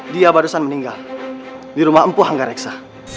dia barusan meninggal di rumah empu hangga reksa